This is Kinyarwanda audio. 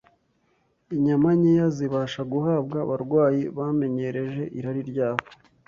inyama nkeya zibasha guhabwa abarwayi bamenyereje irari ryabo